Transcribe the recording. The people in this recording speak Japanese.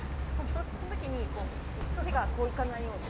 その時にこう手がこういかないように。